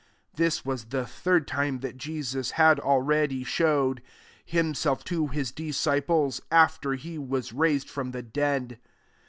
14 This was the third time that Jesus had already showed himself to his disciples, after he was rais ed from the dead.